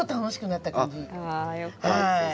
ああよかった！